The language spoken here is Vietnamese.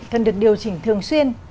cần được điều chỉnh thường xuyên